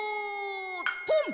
ポン。